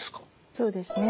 そうですね。